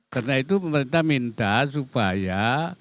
karena itu pemerintah minta supaya